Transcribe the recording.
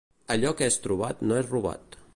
Allò que és trobat no és robat.